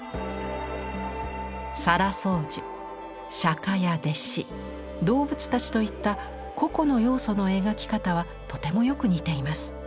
沙羅双樹釈迦や弟子動物たちといった個々の要素の描き方はとてもよく似ています。